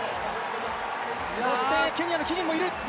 そしてケニアのキゲンもいる。